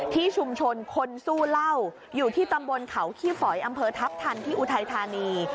ที่ชุมชนคนสู้เหล้าอยู่ที่ตำบลเขาขี้ฝอยอำเภอทัพทันที่อุทัยธานี